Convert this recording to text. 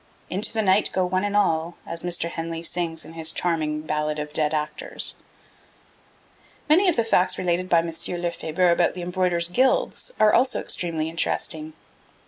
'Into the night go one and all,' as Mr. Henley sings in his charming Ballade of Dead Actors. Many of the facts related by M. Lefebure about the embroiderers' guilds are also extremely interesting.